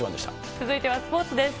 続いてはスポーツです。